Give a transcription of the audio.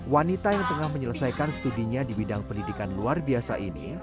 wanita yang tengah menyelesaikan studinya di bidang pendidikan luar biasa ini